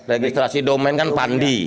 registrasi domain kan pandi